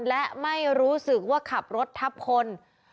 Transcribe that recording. และไม่รู้สึกว่าขับรถทับคน